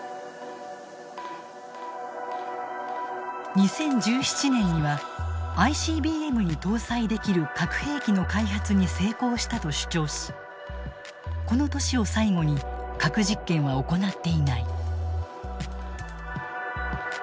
２０１７年にはＩＣＢＭに搭載できる核兵器の開発に成功したと主張しこの年を最後に核実験は行っていない。